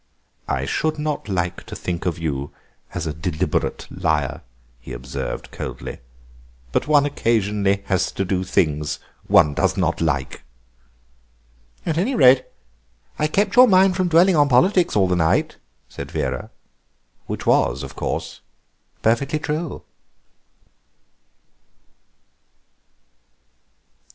"I should not like to think of you as a deliberate liar," he observed coldly, "but one occasionally has to do things one does not like." "At any rate I kept your mind from dwelling on politics all the night," said Vera. Which was, of course, perfectly true.